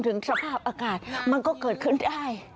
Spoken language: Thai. สภาพอากาศมันก็เกิดขึ้นได้